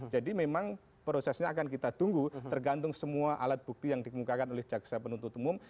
jadi memang prosesnya akan kita tunggu tergantung semua alat bukti yang dikemukakan oleh caksa penuntut umum